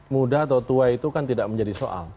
muda atau tua itu kan tidak menjadi soal